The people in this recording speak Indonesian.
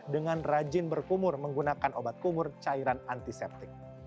dengan rajin berkumur menggunakan obat kumur cairan antiseptik